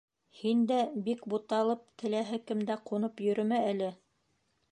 — Һин дә бик буталып, теләһә кемдә ҡунып йөрөмә әле.